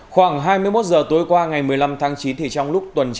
khoảng hai mươi một h tối qua ngày một mươi năm tháng chín thì trong lúc tuần trải qua